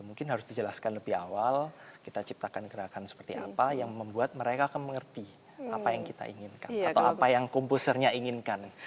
mungkin harus dijelaskan lebih awal kita ciptakan gerakan seperti apa yang membuat mereka akan mengerti apa yang kita inginkan atau apa yang komposernya inginkan